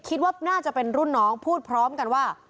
คิดว่าน่าจะเป็นรุ่นน้องพูดพร้อมกันว่า